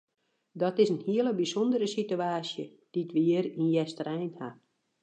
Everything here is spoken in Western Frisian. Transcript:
Dat is in hele bysûndere situaasje dy't we hjir yn Easterein ha.